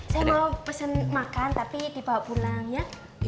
saya mau pesen makan tapi dibawa pulang ya